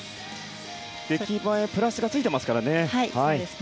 出来栄えプラスがついてますからね。